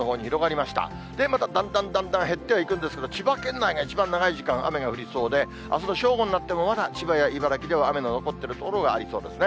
まただんだんだんだん減ってはいくんですけれども、千葉県内が一番長い時間雨が降りそうで、あすの正午になっても、まだ千葉や茨城では雨の残っている所がありそうですね。